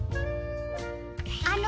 あの。